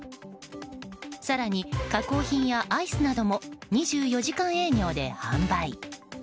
更に、加工品やアイスなども２４時間営業で販売。